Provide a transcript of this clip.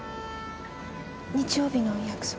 日曜日の約束。